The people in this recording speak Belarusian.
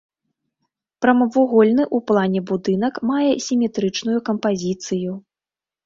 Прамавугольны ў плане будынак мае сіметрычную кампазіцыю.